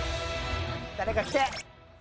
誰かきて！